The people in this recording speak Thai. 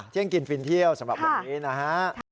เที่ยงกินฟินเที่ยวสำหรับวันนี้นะฮะ